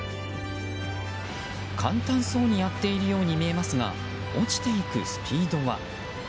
簡単そうにやっているように見えますが落ちていくスピードは。